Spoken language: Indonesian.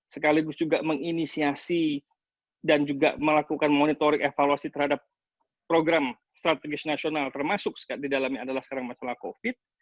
sekaligus juga menginisiasi dan juga melakukan monitoring evaluasi terhadap program strategis nasional termasuk di dalamnya adalah sekarang masalah covid